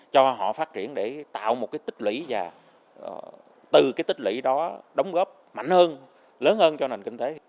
cho họ phát triển để tạo một tích lĩ và từ tích lĩ đó đóng góp mạnh hơn lớn hơn cho nền kinh tế